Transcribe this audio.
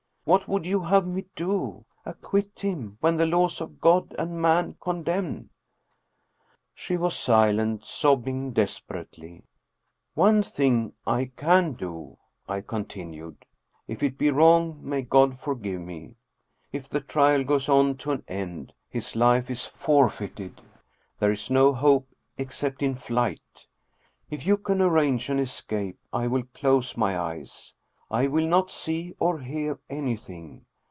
What would you have me do? Acquit him, when the laws of God and man con demn?" She was silent, sobbing desperately. " One thing I can do," I continued. " If it be wrong may God forgive me. If the trial goes on to an end his life is forfeited, there is no hope except in flight. If you can arrange an escape I will close my eyes. I will not see or hear anything.